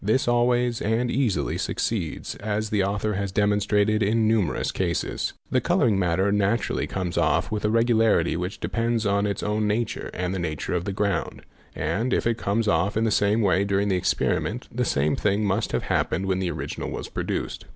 This always and easily succeeds as the author has demonstrated in numerous cases. _ The colouring matter naturally comes off with a regularity which de pends on its own nature and the nature of the ground; and, if it comes off in the same way during the experiment, the same thing must have happened when the original was produced.